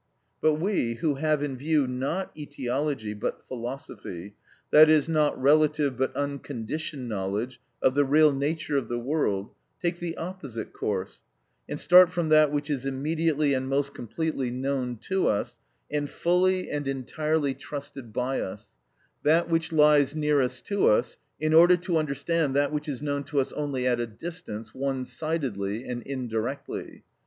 But we, who have in view not etiology but philosophy, that is, not relative but unconditioned knowledge of the real nature of the world, take the opposite course, and start from that which is immediately and most completely known to us, and fully and entirely trusted by us—that which lies nearest to us, in order to understand that which is known to us only at a distance, one sidedly and indirectly.